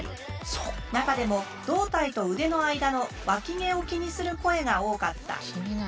中でも胴体と腕の間のワキ毛を気にする声が多かった。